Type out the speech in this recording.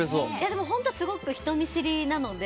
でも本当すごく人見知りなので。